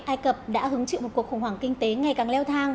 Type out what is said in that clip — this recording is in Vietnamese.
ai cập đã hứng chịu một cuộc khủng hoảng kinh tế ngày càng leo thang